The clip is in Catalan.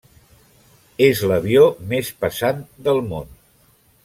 És l'avió més pesant del món.